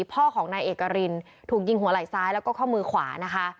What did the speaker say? พ่อของนายเอกรินถูกยิงหัวไหล่ซ้ายแล้วก็ข้อมือขวานะคะ